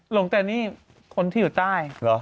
หลงแต่นี่คนที่อยู่ใต้เหรอ